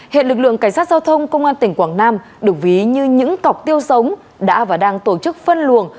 hiện lực lượng cảnh sát giao thông công an tỉnh quảng nam được ví như những cọc tiêu sống đã và đang tổ chức phân luồng